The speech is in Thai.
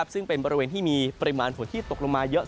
ซึ่งเป็นบริเวณที่มีปริมาณฝนที่ตกลงมาเยอะ